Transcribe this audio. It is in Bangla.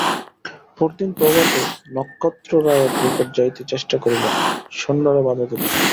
পরদিন প্রভাতে নক্ষত্ররায়ের নিকট যাইতে চেষ্টা করিলেন, সৈন্যেরা বাধা দিল।